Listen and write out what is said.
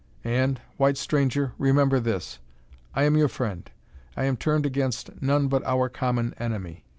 And, white stranger, remember this: I am your friend. I am turned against none but our common enemy."